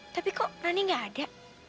tapi kok rani gak ada